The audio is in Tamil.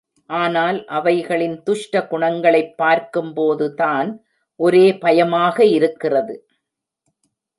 ஆனால் அவைகளின் துஷ்ட குணங்களைப் பார்க்கும் போதுதான் ஒரே பயமாக இருக்கிறது.